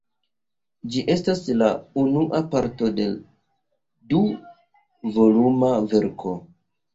Ĝi estas la unua parto de du-voluma verko.